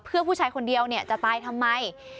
เพื่อผู้ชายคนเดียวจะตายทำไม